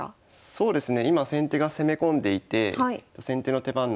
そうですね。